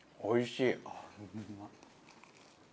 おいしい。